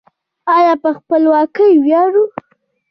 آیا په خپلواکۍ ویاړو؟